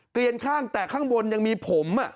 เรียนข้างแต่ข้างบนยังมีผม